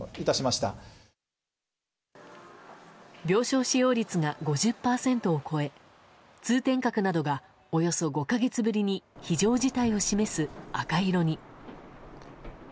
病床使用率が５０％を超え通天閣などがおよそ５か月ぶりに非常事態を示す赤色に。